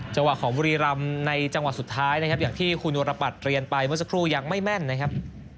จังหวะของบุรีรำในจังหวะสุดท้ายนะครับอย่างที่คุณวรปัตรเรียนไปเมื่อสักครู่ยังไม่แม่นนะครับ